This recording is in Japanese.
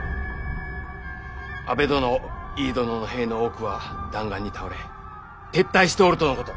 阿部殿井伊殿の兵の多くは弾丸に倒れ撤退しておるとのこと。